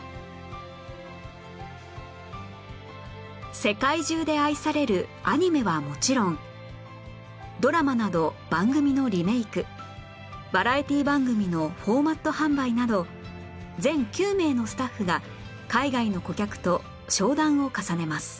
世界中で愛されるアニメはもちろんドラマなど番組のリメイクバラエティー番組のフォーマット販売など全９名のスタッフが海外の顧客と商談を重ねます